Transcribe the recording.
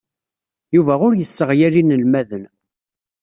Yuba ur yesseɣyal inelmaden.